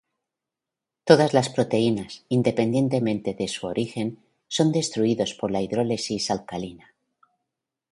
Todas las proteínas, independientemente de su origen, son destruidos por la hidrólisis alcalina.